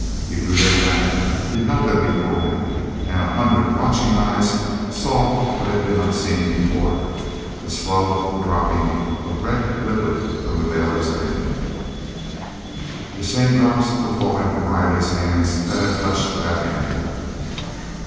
He drew them back, then held them before him—and a hundred watching eyes saw what had been unseen before: the slow dropping of red liquid from the bailer's end. The same drops were falling from Riley's hands that had touched that end.